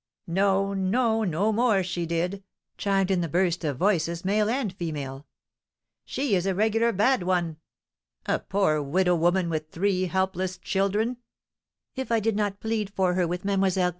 "No, no! no more she did," chimed in a burst of voices, male and female. "She is a regular bad one!" "A poor widow woman, with three helpless children!" "If I did not plead for her with Mlle.